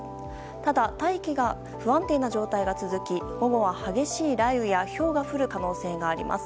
ただ、大気が不安定な状態が続き午後は激しい雷雨やひょうが降る可能性があります。